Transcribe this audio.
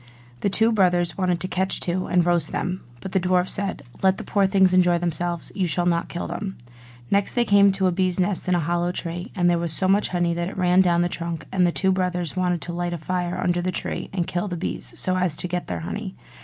The two brothers wanted to catch two, and roast them. But the dwarf said, 'Let the poor things enjoy themselves, you shall not kill them.' Next they came to a bees' nest in a hollow tree, and there was so much honey that it ran down the trunk; and the two brothers wanted to light a fire under the tree and kill the bees, so as to get their honey.